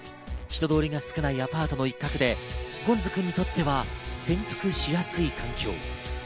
人通りが少ないアパートの一角で、ごんずくんにとっては潜伏しやすい環境。